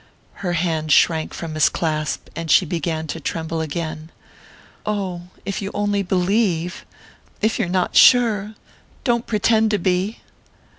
Her hand shrank from his clasp, and she began to tremble again. "Oh, if you only believe...if you're not sure...don't pretend to be!"